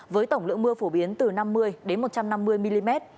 với tổng lượng mưa phổ biến từ năm mươi một trăm năm mươi mm